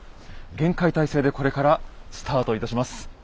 厳戒態勢でこれからスタートいたします。